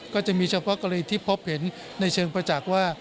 ก็จะมีเฉพาะกรณีที่พบเห็นในเชิงประจักษ์ว่า